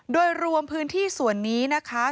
โดยรวมพื้นที่ส่วนนี้นะคะ